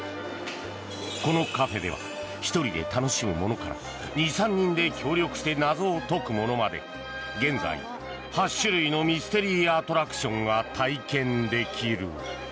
このカフェでは１人で楽しむものから２３人で協力して謎を解くものまで現在、８種類のミステリーアトラクションが体験できる。